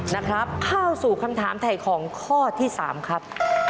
นะครับเข้าสู่คำถามถ่ายของข้อที่๓ครับ